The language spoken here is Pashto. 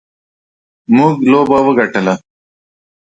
موږ لوبه وګټله.